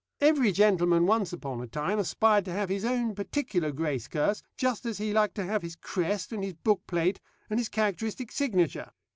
Every gentleman once upon a time aspired to have his own particular grace curse, just as he liked to have his crest, and his bookplate, and his characteristic signature.